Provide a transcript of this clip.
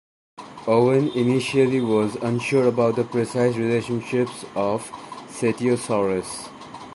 Owen initially was unsure about the precise relationships of "Cetiosaurus".